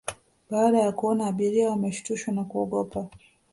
Baada ya kuona abiria wameshtushwa na kuogopa